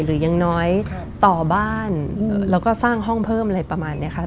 หรือยังน้อยต่อบ้านแล้วก็สร้างห้องเพิ่มอะไรประมาณนี้ค่ะ